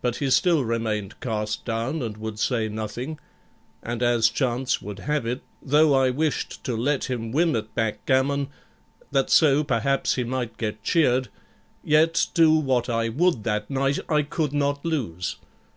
But he still remained cast down, and would say nothing; and as chance would have it, though I wished to let him win at backgammon, that so, perhaps, he might get cheered, yet do what I would that night I could not lose.